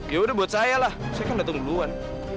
yaudah buat saya lah saya kan datang duluan